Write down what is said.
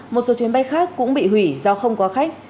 một số chuyến bay khác cũng bị hủy do không có khách